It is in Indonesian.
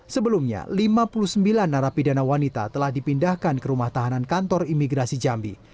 sebelumnya lima puluh sembilan narapidana wanita telah dipindahkan ke rumah tahanan kantor imigrasi jambi